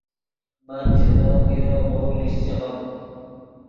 من ژے تو پیرو ڤؤ لیشچیغیم